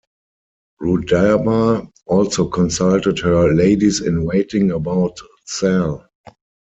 Rudaba also consulted her ladies-in-waiting about Zal.